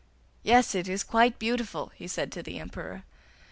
'Yes, it is quite beautiful,' he said to the Emperor.